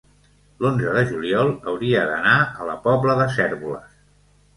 l'onze de juliol hauria d'anar a la Pobla de Cérvoles.